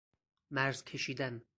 مرز کشیدن